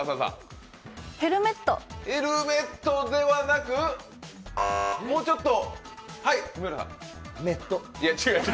ヘルメットではなくもうちょっと。